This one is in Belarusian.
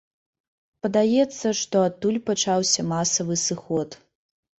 Падаецца, што адтуль пачаўся масавы сыход.